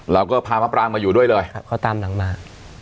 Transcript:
เราก็พามะปรางมาอยู่ด้วยเลยครับเขาตามหลังมา